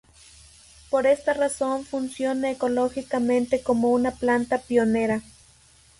Por esta razón funciona ecológicamente como una planta pionera.